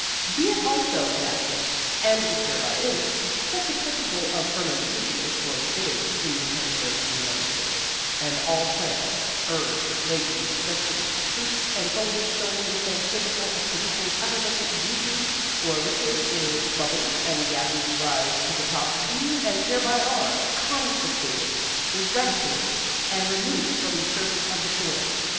BE IT ALSO enacted, and it hereby is, that the principle of fermentation is forbidden in the territory of the United States; and all plants, herbs, legumes, vegetables, fruits and foliage showing themselves capable of producing effervescent juices or liquids in which bubbles and gases rise to the top be, and hereby are, confiscated, eradicated and removed from the surface of the soil.